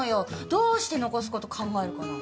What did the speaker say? どうして残す事考えるかな。